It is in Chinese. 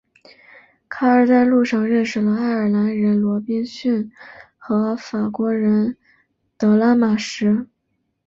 卡尔在路上认识了爱尔兰人罗宾逊和法国人德拉马什。